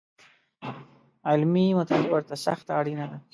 علمي مطالعه ورته سخته اړینه ده